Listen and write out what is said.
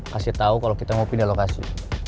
kasih tau kalo kita mau pindah lokasi